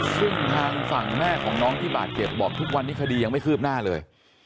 ซึ่งทางฝั่งแม่ของน้องที่บาดเจ็บบอกทุกวันนี้คดียังไม่คืบหน้าเลย